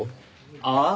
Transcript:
ああ